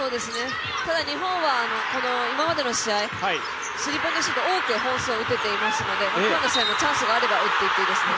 ただ日本は今までの試合スリーポイントシュート、多く本数を打てていますので今日の試合もチャンスがあれば、打っていっていいですね。